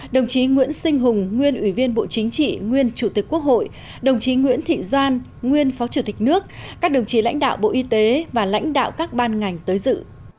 đồng chí nguyễn sinh hùng nguyên ủy viên bộ chính trị nguyên chủ tịch quốc hội đồng chí nguyễn thị doan nguyên phó chủ tịch nước các đồng chí lãnh đạo bộ y tế và lãnh đạo các ban ngành tới dự